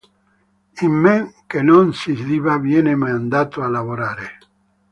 In men che non si dica viene mandato a lavorare.